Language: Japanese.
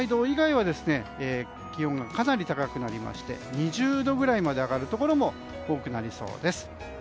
以外は気温がかなり高くなりまして２０度ぐらいまで上がるところも多くなりそうです。